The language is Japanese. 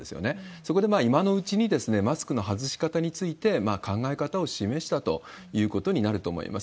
そこで、今のうちにマスクの外し方について、考え方を示したということになると思います。